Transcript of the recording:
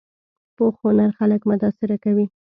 پوخ هنر خلک متاثره کوي